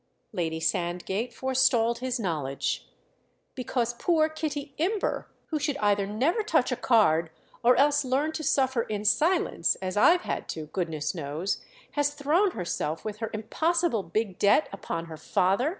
Lady Sandgate forestalled his knowledge. "Because poor Kitty Imber—who should either never touch a card or else learn to suffer in silence, as I've had to, goodness knows!—has thrown herself, with her impossible big debt, upon her father?